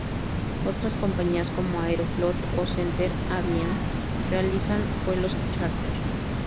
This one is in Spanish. Otras compañías como Aeroflot o Center-Avia realizan vuelos chárter.